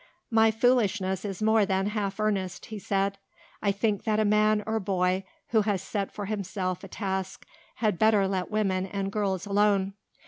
"My foolishness is more than half earnest," he said. "I think that a man or boy who has set for himself a task had better let women and girls alone.